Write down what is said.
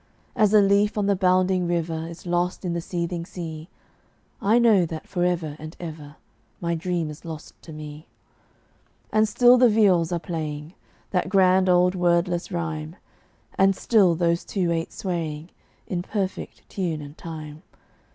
As a leaf on the bounding river Is lost in the seething sea, I know that forever and ever My dream is lost to me. And still the viols are playing That grand old wordless rhyme; And still those two ate swaying In perfect tune and time.